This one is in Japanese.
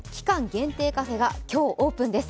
限定カフェが今日、オープンです。